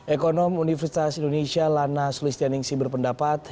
ekonom universitas indonesia lana sulistianingsi berpendapat